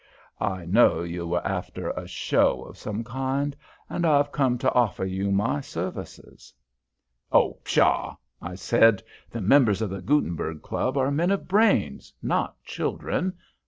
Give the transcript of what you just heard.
I knew you were after a show of some kind, and I've come to offer you my services." "Oh, pshaw!" I said. "The members of the Gutenberg Club are men of brains not children.